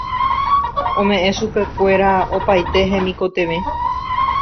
ome'ẽ chupekuéra opaite hemikotevẽ